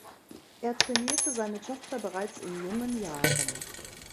Er trainierte seine Tochter bereits in jungen Jahren.